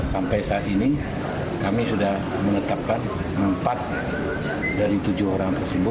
sampai saat ini kami sudah menetapkan empat dari tujuh orang tersebut